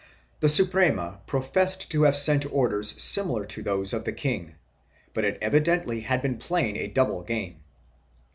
The Suprema professed to have sent orders similar to those of the king, but it evidently had been playing a double game.